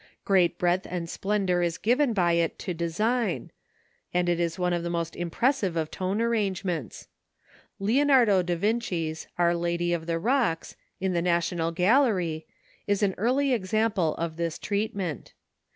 Great breadth and splendour is given by it to design, and it is one of the most impressive of tone arrangements. Leonardo da Vinci's "Our Lady of the Rocks," in the National Gallery, is an early example of this treatment.